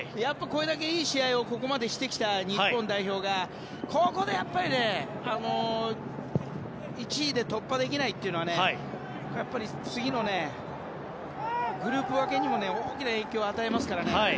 これだけいい試合をここまでしてきた日本代表がここで１位で突破できないというのは次のグループ分けにも大きな影響を与えますからね。